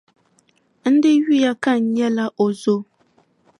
N di yuya ka n nyɛla o zo.